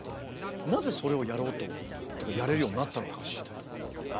なぜそれをやろうとというかやれるようになったのかを知りたい。